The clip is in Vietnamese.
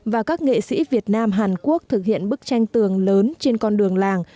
và các nghệ sĩ việt nam hàn quốc thực hiện bức tranh tường lớn trên con đường làng